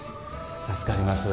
助かります。